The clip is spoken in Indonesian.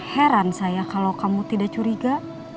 bukan saya kaget kalau kamu tidak curiga